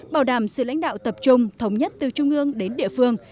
bảo đảm sự lãnh đạo tập trung thống nhất từ trung ương đến địa phương